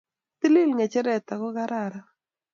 Tilil ngecheret ako kararan